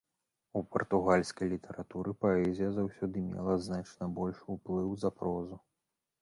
У партугальскай літаратуры паэзія заўсёды мела значна большы ўплыў за прозу.